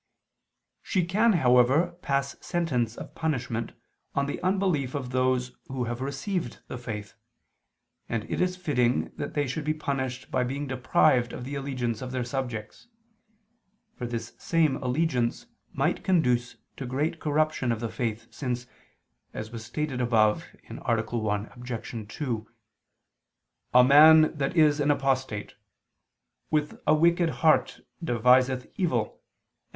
She can, however, pass sentence of punishment on the unbelief of those who have received the faith: and it is fitting that they should be punished by being deprived of the allegiance of their subjects: for this same allegiance might conduce to great corruption of the faith, since, as was stated above (A. 1, Obj. 2), "a man that is an apostate ... with a wicked heart deviseth evil, and